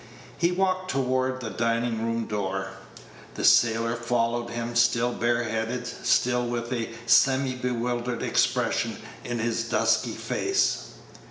He walked toward the dining room door. The sailor followed him, still bareheaded, still with a semi bewildered expression in his dusky face.